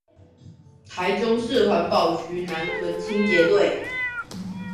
臺中市環保局南屯清潔隊